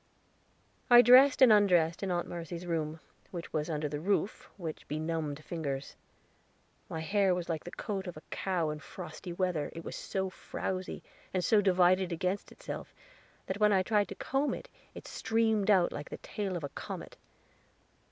I dressed and undressed in Aunt Mercy's room, which was under the roof, with benumbed fingers. My hair was like the coat of a cow in frosty weather; it was so frowzy, and so divided against itself, that when I tried to comb it, it streamed out like the tail of a comet.